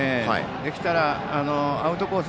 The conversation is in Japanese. できたらアウトコース